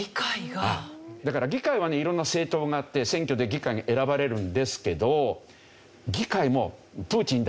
だから議会はね色んな政党があって選挙で議会に選ばれるんですけど。